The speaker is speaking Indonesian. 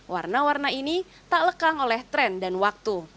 warna warna ini tak lekang oleh tren dan waktu